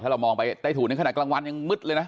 ถ้าเรามองไปใต้ถูนขนาดกลางวานจึงมืดเลยนะ